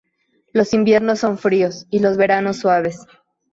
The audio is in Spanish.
Los inviernos son fríos, y los veranos suaves.